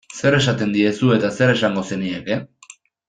Zer esaten diezu eta zer esango zenieke?